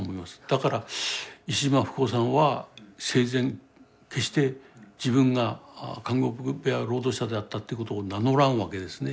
だから石島福男さんは生前決して自分が監獄部屋労働者であったということを名乗らんわけですね。